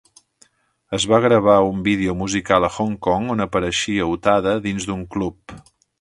Es va gravar un vídeo musical a Hong Kong on apareixia Utada dins d"un club.